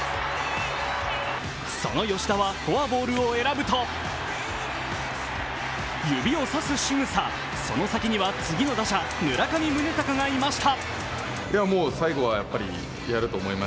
その吉田はフォアボールを選ぶと指をさすしぐさ、その先には次の打者・村上宗隆がいました。